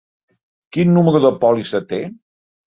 Quin número de pòlissa té?